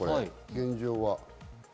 現状は。